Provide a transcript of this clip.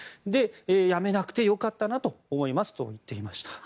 やめなくて良かったと思いますと言っていました。